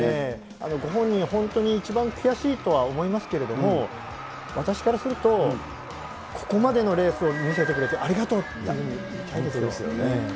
ご本人、本当に一番悔しいとは思いますけれども、私からすると、ここまでのレースを見せてくれてありがとうって言いたいですよ。